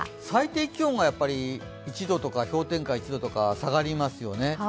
最低気温が１度とか氷点下１度とか下がりますよね。